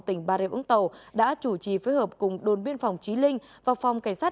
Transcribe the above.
tỉnh bà rịa vũng tàu đã chủ trì phối hợp cùng đồn biên phòng trí linh và phòng cảnh sát